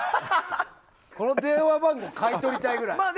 この電話番号買い取りたいぐらい。